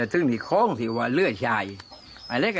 ซึ่งผมหาว่าเขาคือหน้าหลังของมัน